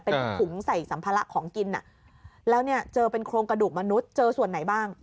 เป็นถุงใส่สัมภาระของกินอ่ะแล้วเนี่ยเจอเป็นโครงกระดูกมนุษย์เจอส่วนไหนบ้าง